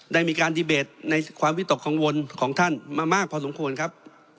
ได้มีการดีเบตในความวิตกกังวลของท่านมามากพอสมควรครับ